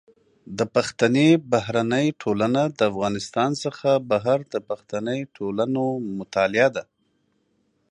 د پښتني بهرنۍ ټولنه د افغانستان څخه بهر د پښتني ټولنو مطالعه ده.